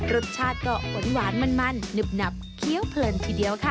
รสชาติก็หวานมันหนึบหนับเคี้ยวเพลินทีเดียวค่ะ